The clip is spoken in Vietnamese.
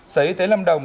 sở y tế lâm đồng